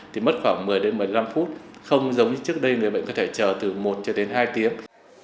thì mất khoảng một mươi đến một mươi năm phút không giống như trước đây người bệnh có thể chờ từ một cho đến hai tiếng